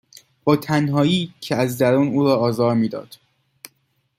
با تنهایی که از درون او را آزار میداد،